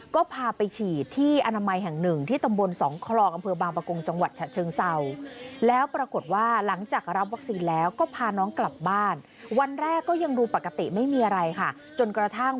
ก็พาไปฉีดที่อาณมาภาษณ์แห่งหนึ่ง